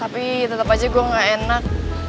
tapi tetap aja gue gak enak